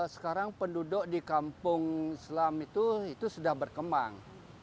sekarang penduduk di kampung selam itu sudah berkembang